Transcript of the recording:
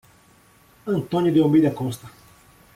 Antônio de Almeida Costa